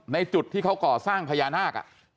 จุดที่เขาก่อสร้างพญานาค